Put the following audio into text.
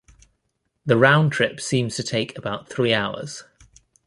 The round trip seems to take about three hours.